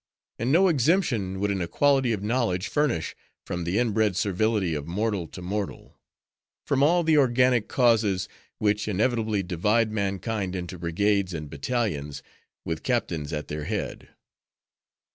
And no exemption would an equality of knowledge furnish, from the inbred servility of mortal to mortal; from all the organic causes, which inevitably divide mankind into brigades and battalions, with captains at their head.